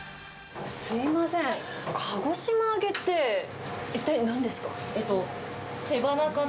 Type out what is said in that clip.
すみません、鹿児島揚げって一体なんですか？